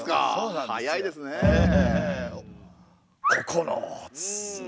ここのつ。